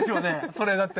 それだって。